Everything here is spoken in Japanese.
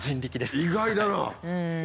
意外だな。